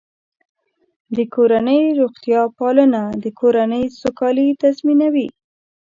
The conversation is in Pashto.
د کورنۍ روغتیا پالنه د کورنۍ سوکالي تضمینوي.